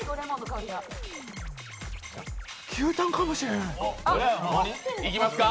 牛タンかもしれない！